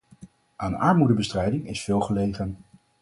Aan armoedebestrijding is veel gelegen.